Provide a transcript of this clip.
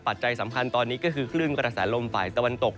ปัจจัยสำคัญตอนนี้ก็คือคลื่นกระแสลมฝ่ายตะวันตก